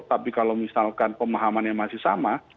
tapi kalau misalkan pemahaman yang masih sama